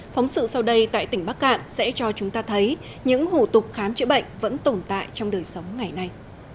phóng sự sau đây tại tỉnh bắc cạn sẽ cho chúng ta thấy những hủ tục khám chữa bệnh vẫn tồn tại trong đời sống ngày nay